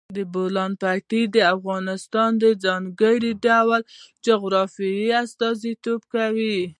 د بولان پټي د افغانستان د ځانګړي ډول جغرافیه استازیتوب کوي.